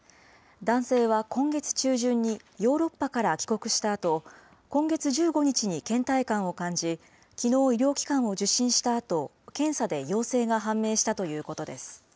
男性は今月中旬にヨーロッパから帰国したあと、今月１５日にけん怠感を感じ、きのう、医療機関を受診したあと、検査で陽性が判明したということです。